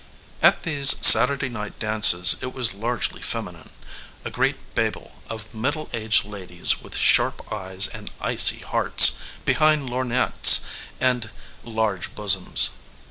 At these Saturday night dances it was largely feminine; a great babel of middle aged ladies with sharp eyes and icy hearts behind lorgnettes and large bosoms.